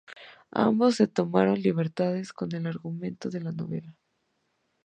Ambos se tomaron libertades con el argumento de la novela.